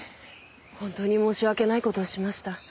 本当に申し訳ない事をしました。